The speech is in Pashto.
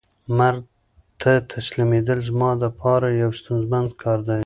مرګ ته تسلیمېدل زما د پاره یو ستونزمن کار دی.